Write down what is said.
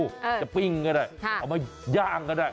จะปิ้งก็ได้เอามาย่างก็ได้